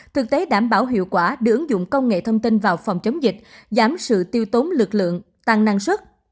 thực tế đảm bảo hiệu quả đưa ứng dụng công nghệ thông tin vào phòng chống dịch giảm sự tiêu tốn lực lượng tăng năng suất